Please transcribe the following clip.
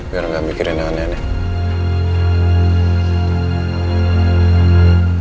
biar gak mikirin aneh aneh